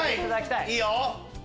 いいよ。